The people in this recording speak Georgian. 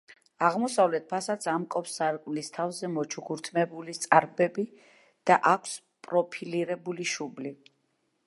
აღმოსავლეთ ფასადს ამკობს სარკმლის თავზე მოჩუქურთმებული წარბები და აქვს პროფილირებული შუბლი.